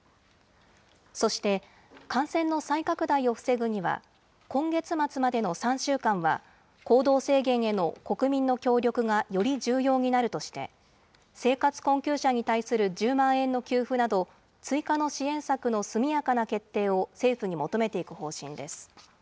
そして、感染の再拡大を防ぐには、今月末までの３週間は、行動制限への国民の協力がより重要になるとして、生活困窮者に対する１０万円の給付など、追加の支援策の速やかな決定を政府に求めていく方針です。